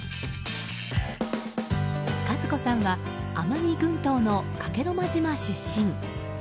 和子さんは奄美群島の加計呂麻島出身。